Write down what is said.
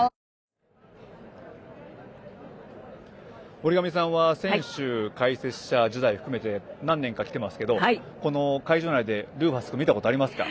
森上さんは選手、解説者時代を含めて何年か来ていますがこの会場内でルーファス君を見たことありますか？